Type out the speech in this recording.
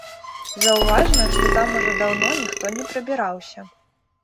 Заўважна, што там ужо даўно ніхто не прыбіраўся.